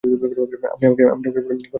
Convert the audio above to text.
আপনি আমাকে পরামর্শ দিন কী করতে হবে।